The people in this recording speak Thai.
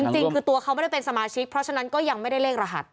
จริงคือตัวเขาไม่ได้เป็นสมาชิกเพราะฉะนั้นก็ยังไม่ได้เลขรหัส